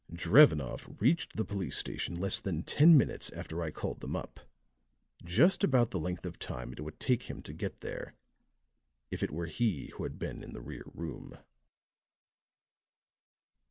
Drevenoff reached the police station less than ten minutes after I called them up just about the length of time it would take him to get there if it were he who had been in the rear room."